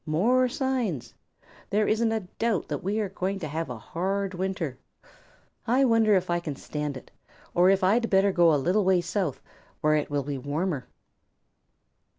"More signs. There isn't a doubt that we are going to have a hard winter. I wonder if I can stand it or if I'd better go a little way south, where it will be warmer."